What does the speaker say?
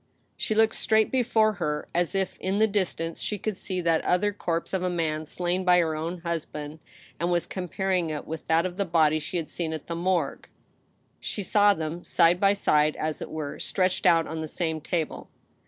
She looked straight before her, as if, in the distance, she could see that other corpse of a man slain by her own husband, and was comparing it with that of the body she had seen at the morgue. She saw them side by side, as it were, stretched out on the same table.